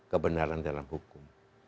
kebenaran dalam hukum